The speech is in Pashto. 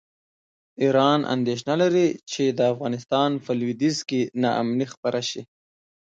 ایران اندېښنه لري چې د افغانستان په لویدیځ کې ناامني خپره شي.